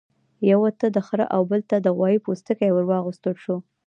یوه ته د خرۀ او بل ته د غوايي پوستکی ورواغوستل شو.